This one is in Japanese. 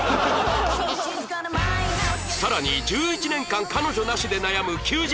更に１１年間彼女なしで悩む休日